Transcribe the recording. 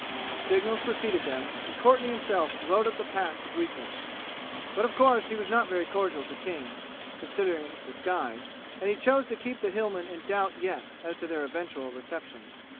Signals preceded them, and Courtenay himself rode up the Pass to greet them. But of course he was not very cordial to King, considering his disguise; and he chose to keep the Hillmen in doubt yet as to their eventual reception.